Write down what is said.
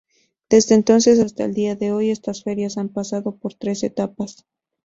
Desde entonces hasta el día de hoy estas Ferias han pasado por tres etapas.